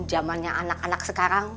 jamannya anak anak sekarang